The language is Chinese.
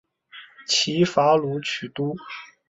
齐伐鲁取都。